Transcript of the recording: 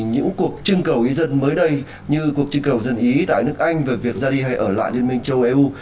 những cuộc trưng cầu ý dân mới đây như cuộc trưng cầu dân ý tại nước anh về việc ra đi hay ở lại liên minh châu âu